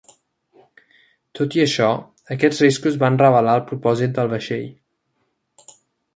Tot i això, aquests riscos van revelar el propòsit del vaixell.